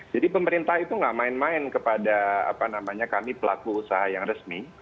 jadi pemerintah itu tidak main main kepada kami pelaku usaha yang resmi